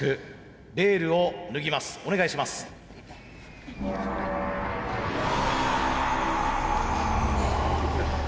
お願いします。